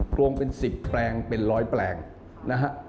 โกงเป็น๑๐แปลงเป็น๑๐๐แปลงนะครับ